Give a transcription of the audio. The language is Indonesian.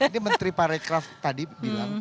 ini menteri pak raycraft tadi bilang